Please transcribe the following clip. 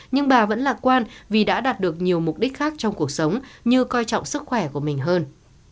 nhưng bà vẫn lạc quan vì đã đạt được nhiều mục đích khác trong cuộc sống như coi trọng sức khỏe của mình hơn